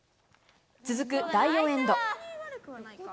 続く第４エンド。